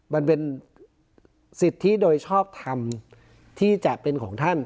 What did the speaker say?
มันเป็นสิทธิโดยชอบทำที่จะเป็นของท่าน